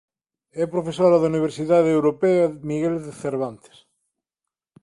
É profesora da Universidad Europea Miguel de Cervantes.